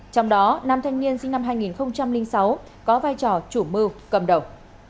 trong đó nam thanh niên sinh năm hai nghìn sáu có vai trò chủ mưu cầm đầu